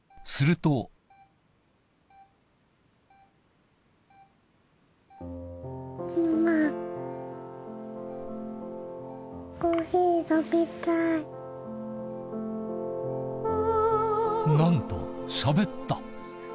するとなんとしゃべった！